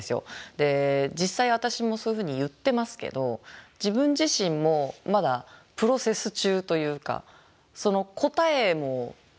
実際私もそういうふうに言ってますけど自分自身もまだプロセス中というかその答えも見つかってないんですよね